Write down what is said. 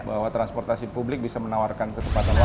bahwa transportasi publik bisa menawarkan ketepatan waktu